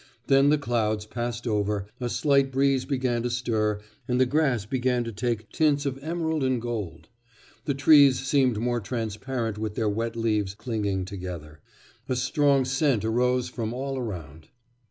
Then the clouds passed over, a slight breeze began to stir, and the grass began to take tints of emerald and gold. The trees seemed more transparent with their wet leaves clinging together. A strong scent arose from all around.